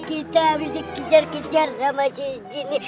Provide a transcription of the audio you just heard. kita habis dikijar kijar sama si jin